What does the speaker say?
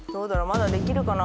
まだできるかな？